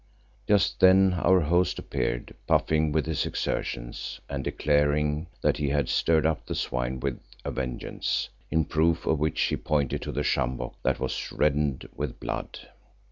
Just then our host appeared puffing with his exertions and declaring that he had stirred up the swine with a vengeance, in proof of which he pointed to the sjambok that was reddened with blood.